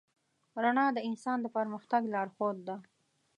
رڼا د انسان د پرمختګ لارښود ده.